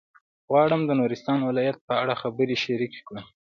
غواړم د نورستان ولایت په اړه خبرې شریکې کړم.